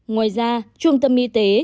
ngoài ra trung tâm y tế